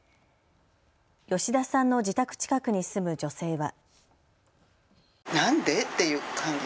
吉田さんの自宅近くに住む女性は。